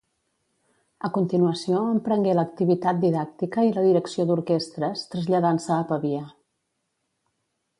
A continuació emprengué l'activitat didàctica i la direcció d'orquestres, traslladant-se a Pavia.